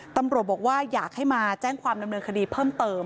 ตำรวจบอกว่าอยากให้มาแจ้งความดำเนินคดีเพิ่มเติม